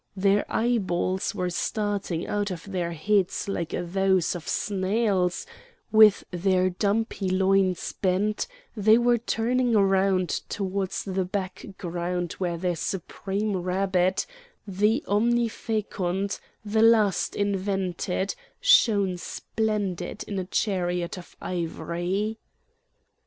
Their eyeballs were starting out of their heads like those of snails, with their dumpy loins bent they were turning round towards the background where the supreme Rabbet, the Omnifecund, the last invented, shone splendid in a chariot of ivory.